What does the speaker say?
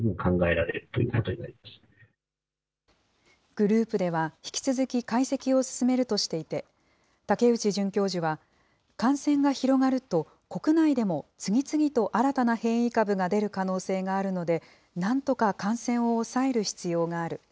グループでは、引き続き解析を進めるとしていて、武内准教授は、感染が広がると、国内でも次々と新たな変異株が出る可能性があるので、なんとか感染を抑える必要がある。